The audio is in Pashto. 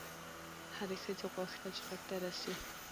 هري ښځي غوښتل چي ډاکټره سي